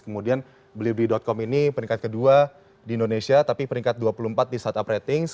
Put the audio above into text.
kemudian blibli com ini peringkat kedua di indonesia tapi peringkat dua puluh empat di startup ratings